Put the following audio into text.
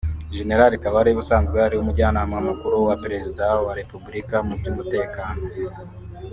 Gen Kabarebe usanzwe ari Umujyanama Mukuru wa Perezida wa Repubulika mu by’umutekano